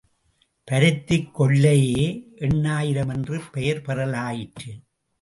பருத்திக் கொல்லையே எண்ணாயிரம் என்று பெயர் பெறலாயிற்று.